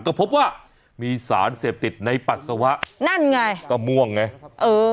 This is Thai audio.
ก็พบว่ามีสารเสพติดในปัสสาวะนั่นไงก็ม่วงไงเออ